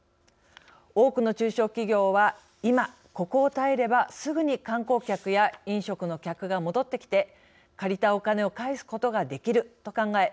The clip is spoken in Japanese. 多くの中小企業は今ここを耐えればすぐに観光客や飲食の客が戻ってきて借りたお金を返すことができると考え